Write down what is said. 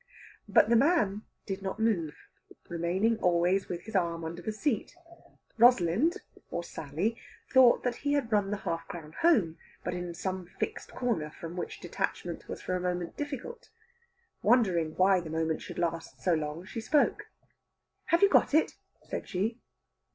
But the man did not move, remaining always with his arm under the seat. Rosalind, or Sally, thought he had run the half crown home, but in some fixed corner from which detachment was for a moment difficult. Wondering why the moment should last so long, she spoke. "Have you got it?" said she.